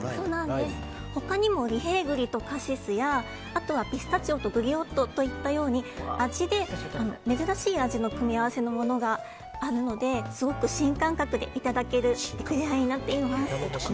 他にも利平栗とカシスやあとはピスタチオとグリオットといったように珍しい味の組み合わせのものがあるのですごく新感覚でいただけるエクレアになっています。